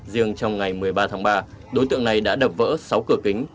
riêng trong ngày một mươi ba tháng ba đối tượng này đã đập vỡ sáu cửa kính